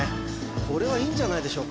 これはいいんじゃないでしょうか